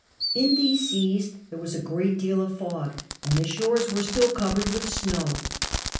In these seas there was a great deal of fog, and the shores were still covered with snow.